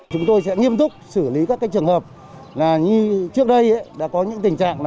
chúng tôi sẽ nghiêm túc xử lý các trường hợp là như trước đây đã có những tình trạng